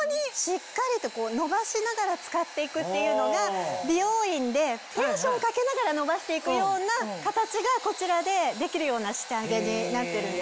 しっかりと伸ばしながら使っていくっていうのが美容院でテンションかけながら伸ばしていくような形がこちらでできるような仕掛けになってるんですね。